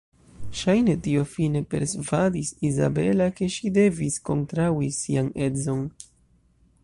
Ŝajne tio fine persvadis Izabela ke ŝi devis kontraŭi sian edzon.